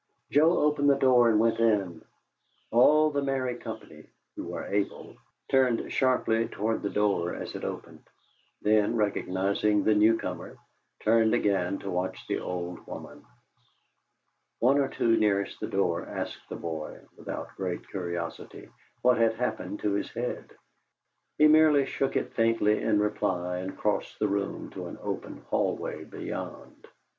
Joe opened the door and went in. All of the merry company (who were able) turned sharply toward the door as it opened; then, recognizing the new comer, turned again to watch the old woman. One or two nearest the door asked the boy, without great curiosity, what had happened to his head. He merely shook it faintly in reply, and crossed the room to an open hallway beyond.